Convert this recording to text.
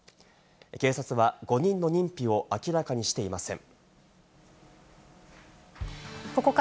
警察は５人の認否を明らかにしていません。